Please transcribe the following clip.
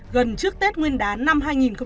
gần trước tết nguyên đán năm hai nghìn hai mươi